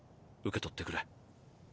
受け取ってくれ。